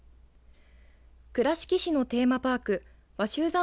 倉敷市のテーマパーク鷲羽山